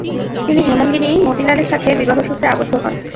তিনি হেমঙ্গিনী মতিলালের সাথে বিবাহসূত্রে আবদ্ধ হন।